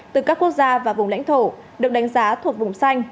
từ các quốc gia và vùng lãnh thổ được đánh giá thuộc vùng xanh